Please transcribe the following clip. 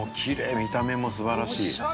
見た目も素晴らしい！